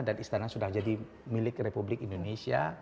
dan istana sudah jadi milik republik indonesia